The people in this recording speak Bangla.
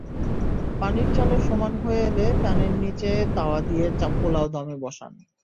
পানি চালের সমান হয়ে এলে প্যানের নিচে তাওয়া দিয়ে পোলাও দমে বসান।